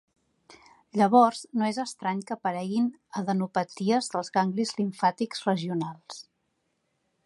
Llavors no és estrany que apareguin adenopaties dels ganglis limfàtics regionals.